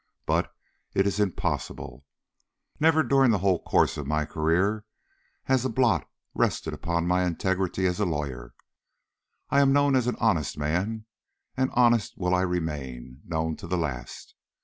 But it is impossible. Never during the whole course of my career has a blot rested upon my integrity as a lawyer. I am known as an honest man, and honest will I remain known to the last.